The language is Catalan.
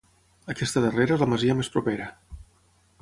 Aquesta darrera és la masia més propera.